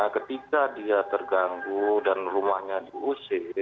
ketika dia terganggu dan rumahnya diusir